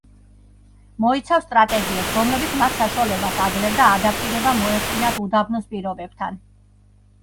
მოიცავს სტრატეგიებს, რომლებიც მათ საშუალებას აძლევდა ადაპტირება მოეხდინათ უდაბნოს პირობებთან.